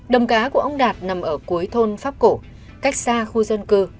đồng cá của ông đạt nằm ở cuối thôn pháp cổ cách xa khu dân cư